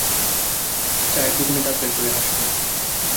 চায়ের দোকানি দাঁত বের করে হাসল।